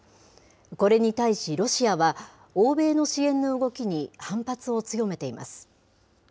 これに対しロシアは、欧米の支援の動きに反発を強めています。